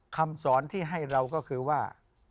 คำสอนที่ให้เราก็คือว่า